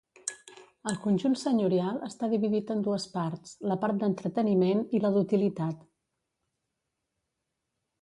El conjunt senyorial està dividit en dues parts, la part d'entreteniment i la d'utilitat.